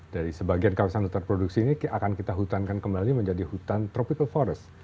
dari sebagian kawasan hutan produksi ini akan kita hutankan kembali menjadi hutan tropical forest